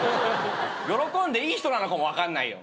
喜んでいい人なのかも分かんないよ。